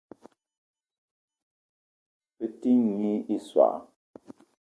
Bete nyi i soag.